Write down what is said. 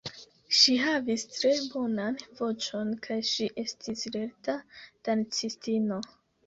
Ŝi havis tre bonan voĉon kaj ŝi estis lerta dancistino.